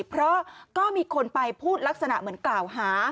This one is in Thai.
เพราะก็มีคนไปพูดลักษณะเหมือนกล่าวหา